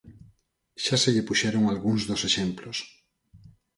Xa se lle puxeron algúns dos exemplos.